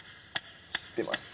出ますか？